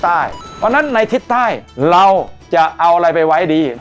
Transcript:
เพราะฉะนั้นในทิศใต้เราจะเอาอะไรไปไว้ดี